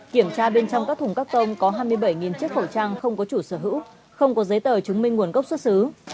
kiểm tra bên trong các thùng các tông có hai mươi bảy chiếc khẩu trang không có chủ sở hữu không có giấy tờ chứng minh nguồn gốc xuất xứ